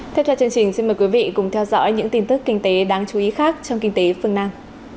theo cho chương trình xin mời quý vị cùng theo dõi những tin tức kinh tế đáng chú ý khác trong kinh tế phương nam